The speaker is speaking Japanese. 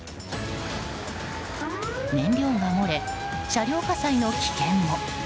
燃料が漏れ、車両火災の危険も。